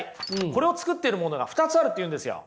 これを作ってるものが２つあるというんですよ。